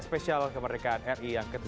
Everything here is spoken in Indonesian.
spesial kemerdekaan ri yang ke tujuh